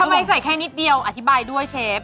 ใส่แค่นิดเดียวอธิบายด้วยเชฟ